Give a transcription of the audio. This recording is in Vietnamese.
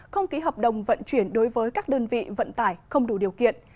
không ký hợp đồng vận chuyển đối với các đơn vị vận tải không đủ điều kiện